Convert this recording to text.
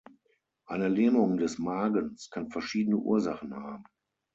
Eine Lähmung des Magens kann verschiedene Ursachen haben.